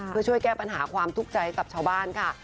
เพื่อช่วยแก้ปัญหาความทุกข์ใจให้กับชาวบ้านค่ะ